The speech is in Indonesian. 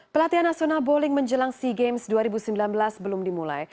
pelatihan nasional bowling menjelang sea games dua ribu sembilan belas belum dimulai